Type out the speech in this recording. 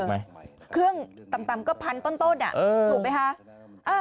เออเครื่องต่ำก็พันต้นอ่ะถูกไหมฮะ